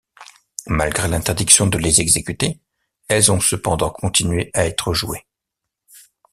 Malgré l'interdiction de les exécuter, elles ont cependant continué à être jouées.